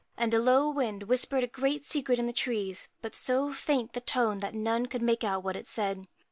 And a low wind whispered a great secret in the trees, but so faint was the tone that none could make out what it said.